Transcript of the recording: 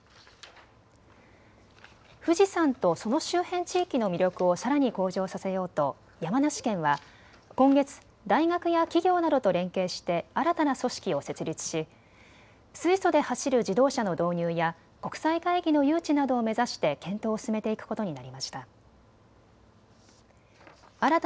富士山とその周辺地域の魅力をさらに向上させようと山梨県は今月、大学や企業などと連携して新たな組織を設立し水素で走る自動車の導入や国際会議の誘致などを目指して検討を進めていくことになりました。